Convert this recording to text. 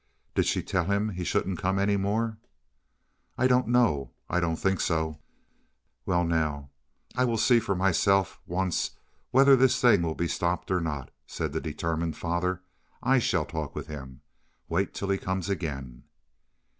"Did she tell him he shouldn't come any more?" "I don't know. I don't think so." "Well, now, I will see for myself once whether this thing will be stopped or not," said the determined father. "I shall talk with him. Wait till he comes again."